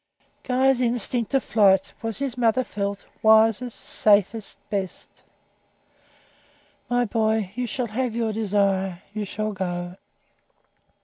Guy's instinct of flight was, his mother felt, wisest, safest, best. "My boy, you shall have your desire; you shall go."